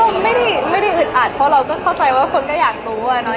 ก็ไม่ได้อึดอัดเพราะเราก็เข้าใจว่าคนก็อยากรู้อะเนาะ